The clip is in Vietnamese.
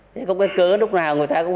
thế có cái cớ lúc nào người ta cũng